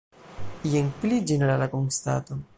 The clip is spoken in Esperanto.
Jen pli ĝenerala konstato.